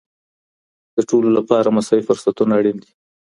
د ټولو لپاره مساوي فرصتونه اړین دي.